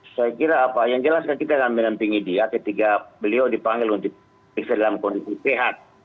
saya kira apa yang jelas kan kita akan menampingi dia ketika beliau dipanggil untuk diperiksa dalam kondisi sehat